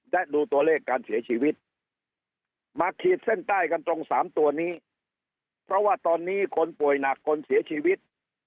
และดูตัวเลขการเสียชีวิตมาขีดเส้นใต้กันตรงสามตัวนี้เพราะว่าตอนนี้คนป่วยหนักคนเสียชีวิต